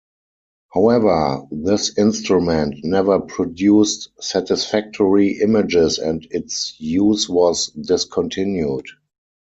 However, this instrument never produced satisfactory images and its use was discontinued.